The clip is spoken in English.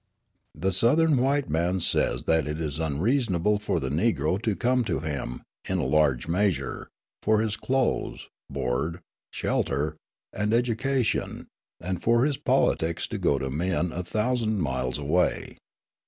The Southern white man says that it is unreasonable for the Negro to come to him, in a large measure, for his clothes, board, shelter, and education, and for his politics to go to men a thousand miles away.